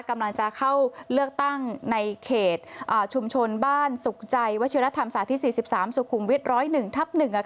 กำลังจะเข้าเลือกตั้งในเขตชุมชนบ้านสุขใจวชิลธรรมศาสตร์ที่๔๓สุขุมวิทร้อยหนึ่งทับหนึ่ง